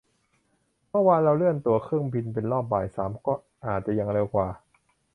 เมื่อวานเราเลื่อนตั๋วเครื่องบินเป็นรอบบ่ายสามอาจจะยังเร็วกว่า